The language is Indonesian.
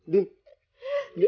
biar aku ndin